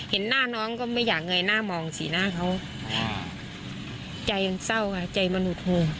เห็นหน้าน้องก็ไม่อยากเงยหน้ามองสีหน้าเขาใจยังเศร้าค่ะใจมันหุดหู